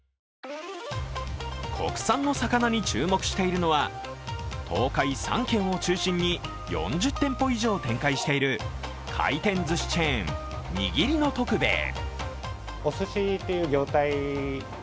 国産の魚に注目しているのは東海３県を中心に４０店舗以上展開している回転ずしチェーン、にぎりの徳兵衛。